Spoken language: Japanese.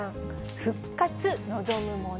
復活、望むもの。